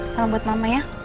salam buat mama ya